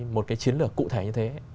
một cái chiến lược cụ thể như thế